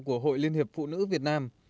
của hội liên hiệp phụ nữ việt nam